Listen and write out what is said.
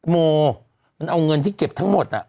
โมมันเอาเงินที่เก็บทั้งหมด